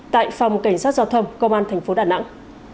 tại phòng cảnh sát giao thông công an thành phố đà nẵng